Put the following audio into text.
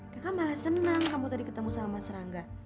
kakak malah senang kamu tadi ketemu sama mas rangga